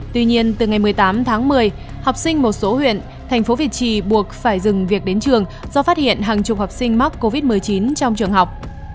tuy nhiên từ ngày một mươi tám tháng một mươi học sinh một số huyện thành phố việt trì buộc phải dừng việc đến trường do phát hiện hàng chục học sinh mắc covid một mươi chín trong trường học